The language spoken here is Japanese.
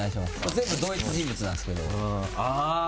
全部同一人物なんすけど。